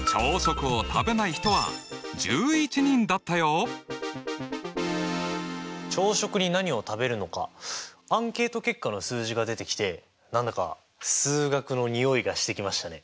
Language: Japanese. その結果は朝食に何を食べるのかアンケート結果の数字が出てきて何だか数学のにおいがしてきましたね。